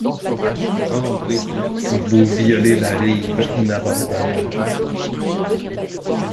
Tremblez ! vous violez la rive inabordable.